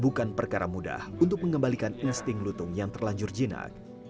bukan perkara mudah untuk mengembalikan insting lutung yang terlanjur jinak